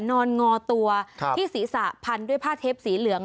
นอนงอตัวครับที่ศรีษะพันด้วยผ้าเทปสีเหลือง